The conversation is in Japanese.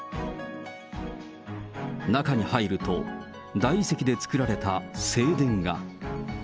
中に入ると、大理石で作られた聖殿が。